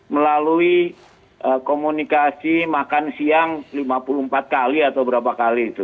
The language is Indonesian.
melalui komunikasi makan siang lima puluh empat kali atau berapa kali